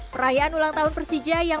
perayaan ulang tahun persija